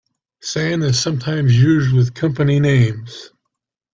"San" is sometimes used with company names.